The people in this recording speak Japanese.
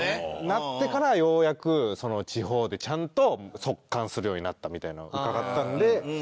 なってからようやく地方でちゃんと即完するようになったみたいなの伺ったんで。